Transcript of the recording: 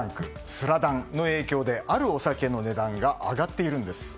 スラダンの影響であるお酒の値段が上がっているんです。